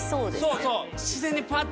そうそう。